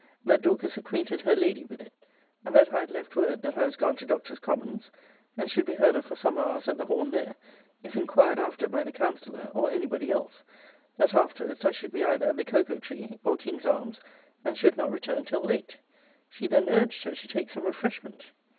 ] 'that Dorcas acquainted her lady with it; and that I had left word, that I was gone to doctors commons, and should be heard of for some hours at the Horn there, if inquired after by the counsellor, or anybody else: that afterwards I should be either at the Cocoa tree, or King's Arms, and should not return till late. She then urged her to take some refreshment.